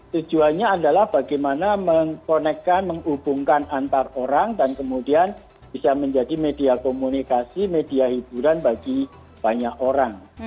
tujuannya adalah bagaimana mengkonekkan menghubungkan antar orang dan kemudian bisa menjadi media komunikasi media hiburan bagi banyak orang